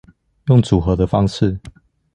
用組合的方式